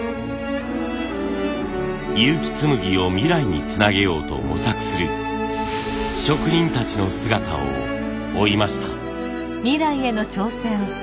結城紬を未来につなげようと模索する職人たちの姿を追いました。